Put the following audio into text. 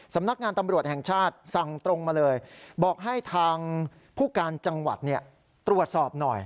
สำนักงานตำรวจแห่งชาติสั่งตรงมาเลยบอกให้ทางผู้การจังหวัดตรวจสอบหน่อย